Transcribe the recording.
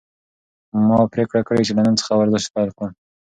ما پریکړه کړې چې له نن څخه ورزش پیل کړم.